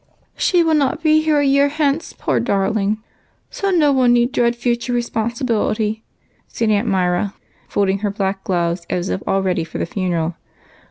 " She will not be here a year hence, poor darling, so no one need dread future responsibility," said Aunt Myra, folding her black gloves as if all ready for the funeral.